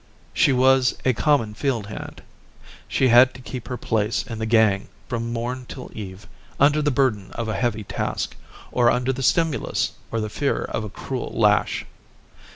She was a common field hand. She had to keep her place in the gang from morn till eve, under the burden of a heavy task, or under the stimulus or the fear of a cruel lash.